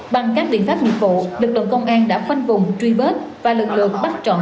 bằng các biện pháp nghiệp vụ lực lượng công an đã khoanh vùng truy vết và lực lượng bắt trọng